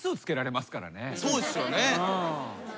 そうですよね。